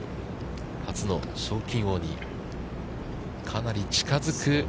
初の賞金王にかなり近づく。